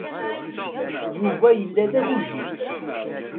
Yuba yella d agujil.